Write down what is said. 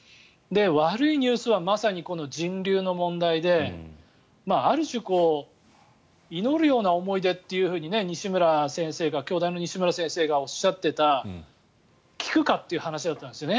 悪いニュースはまさにこの人流の問題である種祈るような思いでというふうに京大の西浦先生がおっしゃっていた効くかという話だったんですね